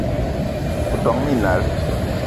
O ton minal